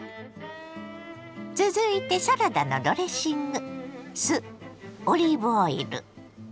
続いてサラダのドレッシング。